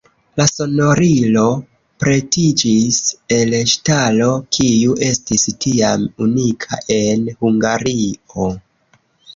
La sonorilo pretiĝis el ŝtalo, kiu estis tiam unika en Hungario.